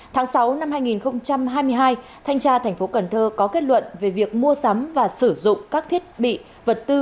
tháng sáu năm hai nghìn hai mươi hai thanh tra tp cnh có kết luận về việc mua sắm và sử dụng các thiết bị vật tư